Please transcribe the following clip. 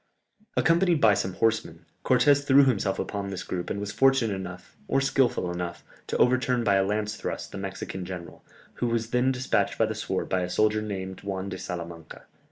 Accompanied by some horsemen, Cortès threw himself upon this group and was fortunate enough, or skilful enough, to overturn by a lance thrust the Mexican general, who was then despatched by the sword by a soldier named Juan de Salamanca.